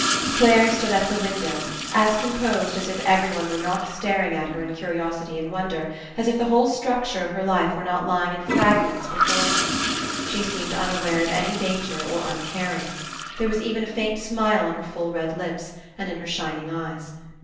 Clare stood at the window, as composed as if everyone were not staring at her in curi osity and wonder, as if the whole structure of 208 FINALE her life were not lying In fragments before her. She seemed unaware of any danger or uncaring. There was even a faint smile on her full, red lips, and in her shining eyes.